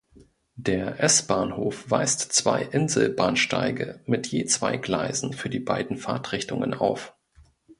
Der S-Bahnhof weist zwei Inselbahnsteige mit je zwei Gleisen für die beiden Fahrtrichtungen auf.